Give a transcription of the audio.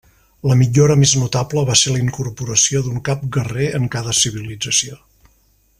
La millora més notable va ser la incorporació d'un cap guerrer en cada civilització.